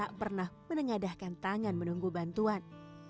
sejak kemarin dia pernah menengadahkan tangan menunggu bantuan